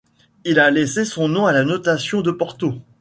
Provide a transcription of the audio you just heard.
Il a laissé son nom à la notation de Porto.